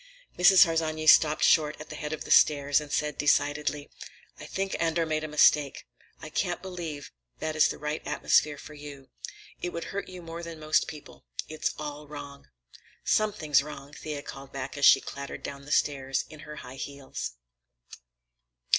Mrs. Harsanyi stopped short at the head of the stairs and said decidedly: "I think Andor made a mistake. I can't believe that is the right atmosphere for you. It would hurt you more than most people. It's all wrong." "Something's wrong," Thea called back as she clattered down the stairs in her high heels.